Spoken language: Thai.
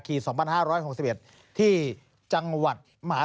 โมงลงเธอได้เป็นนางงาม